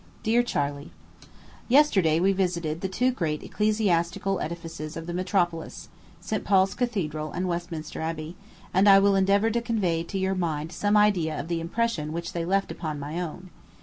DEAR CHARLEY: Yesterday we visited the two great ecclesiastical edifices of the metropolis, St. Paul's Cathedral and Westminster Abbey, and I will endeavor to convey to your mind some idea of the impression which they left upon my own.